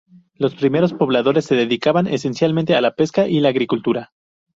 Los primeros pobladores se dedicaban esencialmente a la pesca y la agricultura.